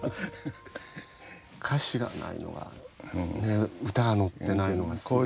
歌詞がないのが歌が乗ってないのがすごく切ない。